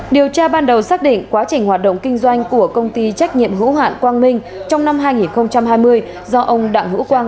điều tra ban đầu xác định quá trình hoạt động kinh doanh của công ty trách nhiệm hữu hạn quang minh trong năm hai nghìn hai mươi do ông đặng hữu quang